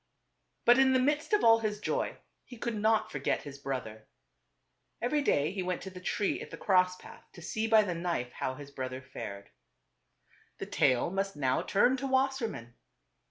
But in the midst of all his joy, he could not forget his brother. Every day he went to the tree at the cross path to see by the knife how his brother fared. TWO BROTHERS. 299 The tale must now turn to Wassermann.